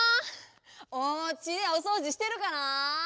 おうちでおそうじしてるかなあ？